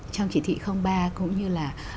trong chỉ thị ba cũng như là